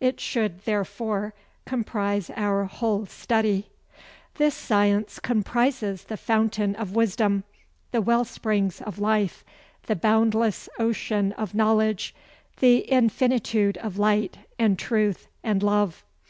It should therefore comprise our whole study. This science comprises the fountain of wisdom, the well springs of life, the boundless ocean of knowledge, the infinitude of light, and truth, and love.